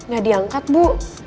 gak diangkat bu